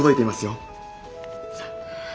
さあ。